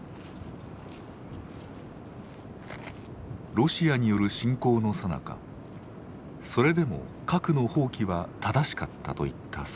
ロシアによる侵攻のさなか「それでも核の放棄は正しかった」と言った祖父。